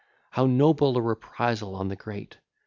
How noble a reprisal on the great!